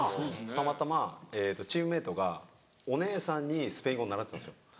たまたまチームメートがお姉さんにスペイン語を習ってたんですよ。